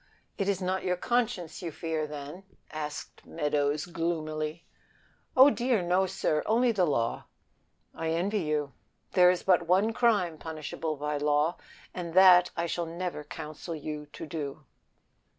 "It is not your conscience you fear, then?" asked the other gloomily. "Oh, dear, no, sir, only the law." "I envy you. There is but one crime punishable by law, and that I shall never counsel you to."